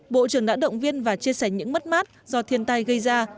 bộ trưởng đã động viên và chia sẻ những mất mát do thiên tai gây ra